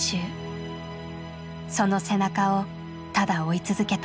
その背中をただ追い続けた。